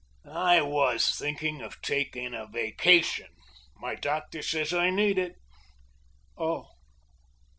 "I was thinking of taking a vacation. My doctor says I need it." "Oh!"